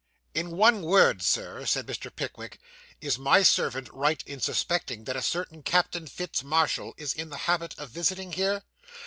'In one word, Sir,' said Mr. Pickwick, 'is my servant right in suspecting that a certain Captain Fitz Marshall is in the habit of visiting here?